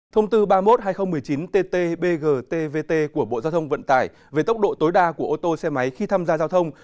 thông tư ba mươi một hai nghìn một mươi chín tt bg tvt của bộ giao thông vận tải về tốc độ tối đa của ô tô xe máy khi tham gia giao thông